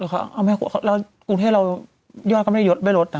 เอามาให้ขดว่ากรุงเทพฯยอดไม่ได้ยดไม่ลดนะ